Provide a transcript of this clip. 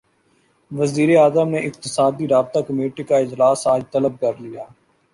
وزیراعظم نے اقتصادی رابطہ کمیٹی کا اجلاس اج طلب کرلیا